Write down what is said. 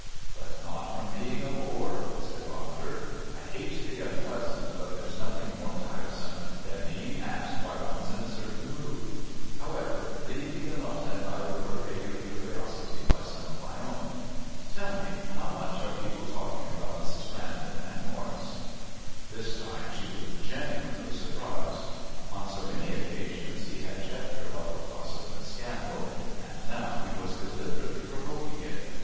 "But not from being a bore," said Ronder. "I hate to be unpleasant, but there's nothing more tiresome than being asked why one's in a certain mood. However, leave me alone and I will repay your curiosity by some of my own. Tell me, how much are people talking about Mrs. Brandon and Morris?" This time she was genuinely surprised. On so many occasions he had checked her love of gossip and scandal and now he was deliberately provoking it.